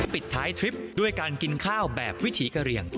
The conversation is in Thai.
ปิดท้ายทริปด้วยการกินข้าวแบบวิถีกะเรียง